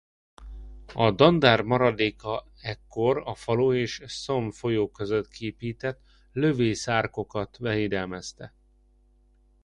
A dandár maradéka ekkor a falu és a Somme folyó között kiépített lövészárkokat védelmezte.